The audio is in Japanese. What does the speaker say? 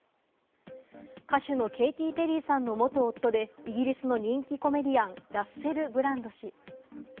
歌手のケイティ・ペリーさんの元夫でイギリスの人気コメディアン、ラッセル・ブランド氏。